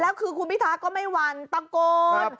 แล้วคือคุณพิทาก็ไม่หวั่นตะโกน